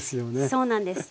そうなんです。